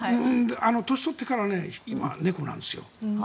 年を取ってから今、猫なんですよ。